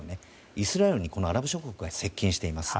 イスラエルにこのアラブ諸国が接近しています。